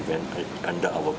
di bawah perhatian kita